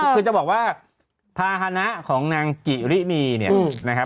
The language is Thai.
คือจะบอกว่าภาษณะของนางกิรินี